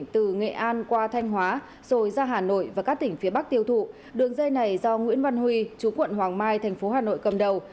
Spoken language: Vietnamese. từ nghệ an qua thanh hóa rồi ra hà nội và các tỉnh phía bắc tiêu thụ đường dây này do nguyễn văn huy chú quận hoàng mai thành phố hà nội cầm đầu